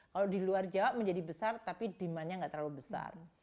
kalau di luar jawa menjadi besar tapi demandnya nggak terlalu besar